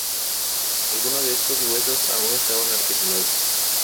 Algunos de estos huesos aún estaban articulados.